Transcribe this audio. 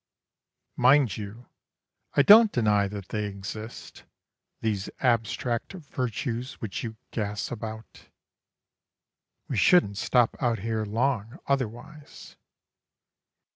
Mind you, I don't deny that they exist, These abstract virtues which you gas about (_We shouldn't stop out here long, otherwise!